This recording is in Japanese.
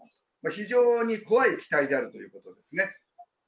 非常に怖い気体であるということですね。